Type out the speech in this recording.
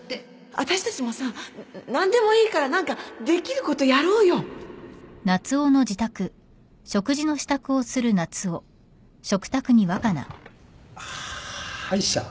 私たちもさ何でもいいから何かできることやろうよはっ歯医者？